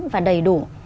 và đầy đủ